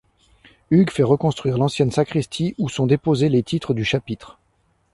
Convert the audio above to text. Hugues fait reconstruire l'ancienne sacristie, où sont déposés les titres du chapitre.